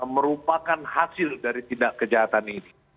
merupakan hasil dari tindak kejahatan ini